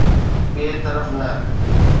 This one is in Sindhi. ٻئي طرف نه.